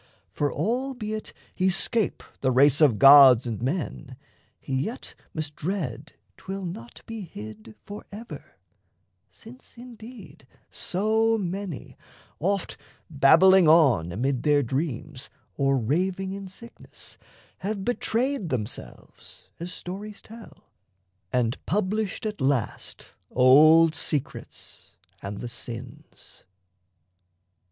For albeit he 'scape The race of gods and men, he yet must dread 'Twill not be hid forever since, indeed, So many, oft babbling on amid their dreams Or raving in sickness, have betrayed themselves (As stories tell) and published at last Old secrets and the sins.